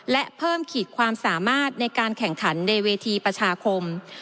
และเพิ่มขีดความสามารถในการแข่งขันในเวทีประชาคม